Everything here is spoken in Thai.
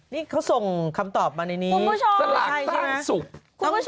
นี่เขาส่งคำตอบมาในนี้สระแป้งสุขคุณผู้ชม